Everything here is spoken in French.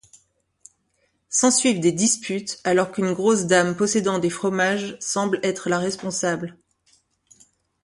S'ensuivent des disputes alors qu'une grosse dame possédant des fromages semble être la responsable.